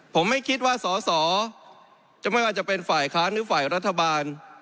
ผมไม่คิดว่าสอสอจะไม่ว่าจะเป็นฝ่ายค้านหรือฝ่ายรัฐบาล